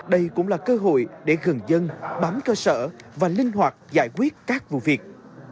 đây cũng là cơ hội để gần dân bám cơ sở và linh hoạt giải quyết các vụ việc